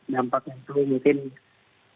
dampaknya itu mungkin masih